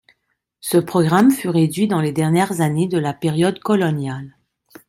Ce programme fut réduit dans les dernières années de la période coloniale.